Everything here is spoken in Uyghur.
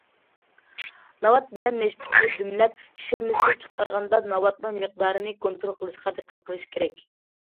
ناۋات بىلەن نەشپۈتنى دۈملەپ، شىرنىسىنى چىقارغاندا، ناۋاتنىڭ مىقدارىنى كونترول قىلىشقا دىققەت قىلىش كېرەك.